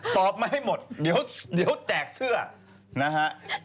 ตอบมาให้หมดเดี๋ยวแจกเสื้อนะฮะ